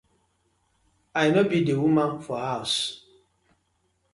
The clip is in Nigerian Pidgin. I no bi di woman for haws.